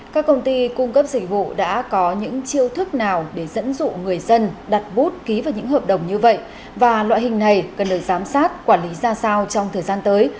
các công ty cung cấp dịch vụ đã có những chiêu thức nào để dẫn dụ người dân đặt bút ký vào những hợp đồng như vậy và loại hình này cần được giám sát quản lý ra sao trong thời gian tới